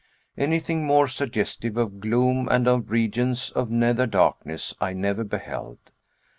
Anything more suggestive of gloom and of regions of nether darkness I never beheld.